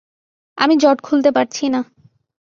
আমি জট খুলতে পারছি না।